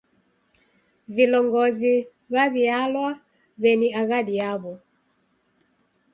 Vilongozi w'aw'ialwa w'eni aghadi yaw'o.